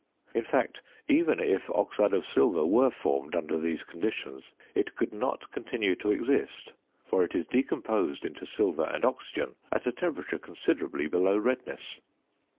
In fact, even if oxide of silver were formed under these conditions, it could not continue to exist, for it is decomposed into silver and oxygen at a temperature considerably below redness.